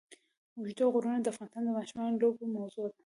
اوږده غرونه د افغان ماشومانو د لوبو موضوع ده.